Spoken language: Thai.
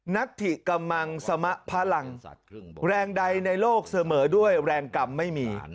นัทธิกำลังสมพลังแรงใดในโลกเสมอด้วยแรงกรรมไม่มี